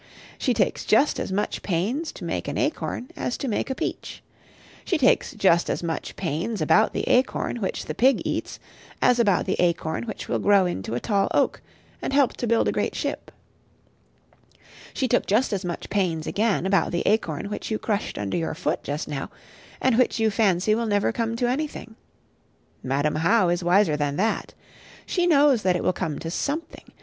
She takes just as much pains to make an acorn as to make a peach. She takes just as much pains about the acorn which the pig eats, as about the acorn which will grow into a tall oak, and help to build a great ship. She took just as much pains, again, about the acorn which you crushed under your foot just now, and which you fancy will never come to anything. Madam How is wiser than that. She knows that it will come to something.